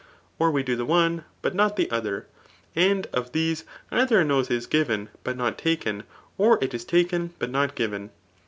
Or we do the one, but not the other. And of these either an oi^ is grven, but not taken ; or k is taken, but not given.